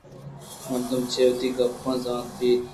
مردم چہ وتی گپ ءَ زانگ بیت